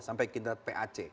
sampai kita pac